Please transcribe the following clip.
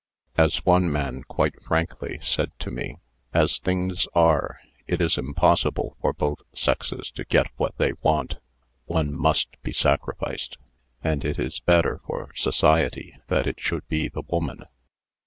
As one man quite frankly said Mutual Adjustment 39 to me :" As things are it is impossible for both sexes CO get what they want. One must be sacrificed. And it is better for society that it should be the woman."